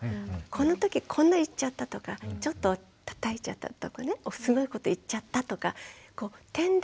このときこんな言っちゃったとかちょっとたたいちゃったとかねすごいこと言っちゃったとか点で影響を考える。